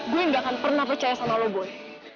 gue gak akan pernah percaya sama lo bud